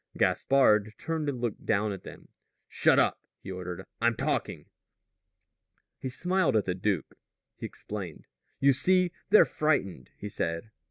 Gaspard turned and looked down at them. "Shut up," he ordered; "I'm talking." He smiled at the duke. He explained. "You see, they're frightened," he said.